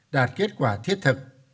đạt kết quả thiết thực